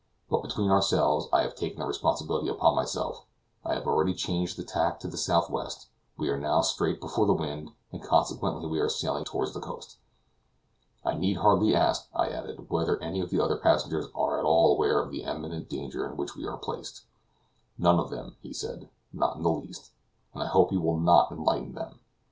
But, between ourselves, I have taken the responsibility upon myself; I have already changed the tack to the southwest; we are now straight before the wind, and consequently we are sailing toward the coast." "I need hardly ask," I added; "whether any of the other passengers are at all aware of the imminent danger in which we are placed." "None of them," he said; "not in the least; and I hope you will not enlighten them.